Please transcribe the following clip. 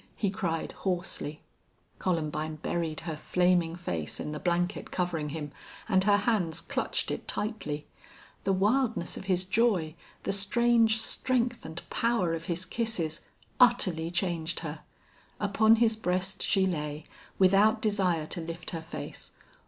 he cried, hoarsely. Columbine buried her flaming face in the blanket covering him, and her hands clutched it tightly. The wildness of his joy, the strange strength and power of his kisses, utterly changed her. Upon his breast she lay, without desire to lift her face.